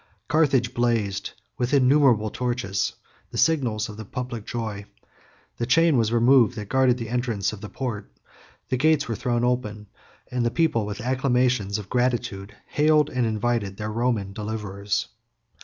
Carthage blazed with innumerable torches, the signals of the public joy; the chain was removed that guarded the entrance of the port; the gates were thrown open, and the people, with acclamations of gratitude, hailed and invited their Roman deliverers.